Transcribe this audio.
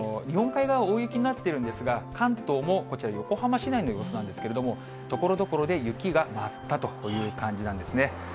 日本海側、大雪になっているんですが、関東もこちら、横浜市内の様子なんですけれども、ところどころで雪が舞ったという感じなんですね。